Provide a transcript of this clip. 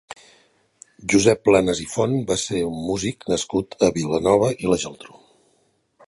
Josep Planas i Font va ser un músic nascut a Vilanova i la Geltrú.